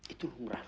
itu umrah umrah saja